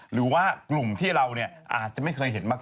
หรือว่ากลุ่มที่เราอาจจะไม่เคยเห็นมาสัก